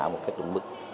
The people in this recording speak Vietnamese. một cách đúng mức